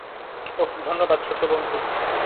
ওহ, ধন্যবাদ, ছোট্টবন্ধু।